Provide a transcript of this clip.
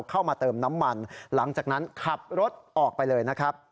เข้ามาเติมน้ำมันหลังจากนั้นขับรถออกไปเลยนะครับ